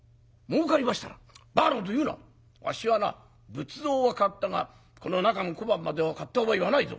仏像は買ったがこの中の小判までは買った覚えはないぞ。